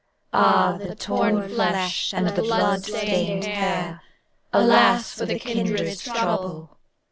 Ah the torn flesh and the blood stained hair; Alas for the kindred's trouble!